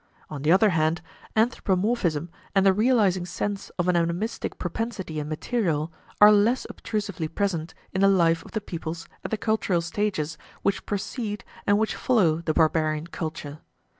On the other hand, anthropomorphism and the realizing sense of an animistic propensity in material are less obtrusively present in the life of the peoples at the cultural stages which precede and which follow the barbarian culture.